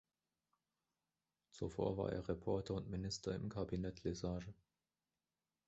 Zuvor war er Reporter und Minister im Kabinett Lesage.